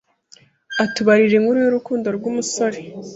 atubarira inkuru y’ urukundo rw’ umusore